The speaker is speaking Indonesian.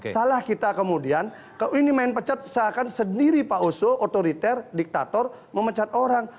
salah kita kemudian kalau ini main pecat seakan sendiri pak oso otoriter diktator memecat orang